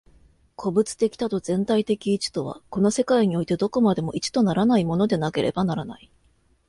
個物的多と全体的一とは、この世界においてどこまでも一とならないものでなければならない。